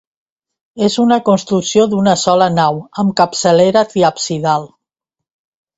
És una construcció d'una sola nau amb capçalera triabsidal.